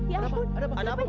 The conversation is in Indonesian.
ya ampun siapa itu